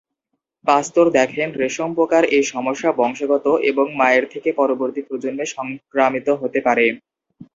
পাস্তুর দেখেন রেশম পোকার এই সমস্যা বংশগত এবং মায়ের থেকে পরবর্তী প্রজন্মে সংক্রামিত হতে পারে।